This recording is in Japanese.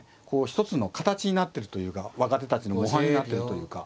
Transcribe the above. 一つの形になってるというか若手たちの模範になってるというか。